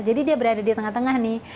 jadi dia berada di tengah tengah nih